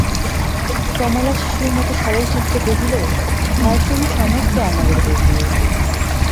কমলা শিশুর মতো সরলচিত্তে কহিল, ভার তুমি সমস্ত আমার উপর দিয়ো।